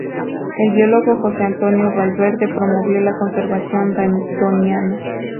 El biólogo Jose Antonio Valverde promovió la conservación Doñana.